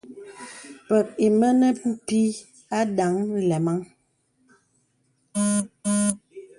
Pə̀k ìmə̀ ne pìì àdaŋ nlɛmaŋ.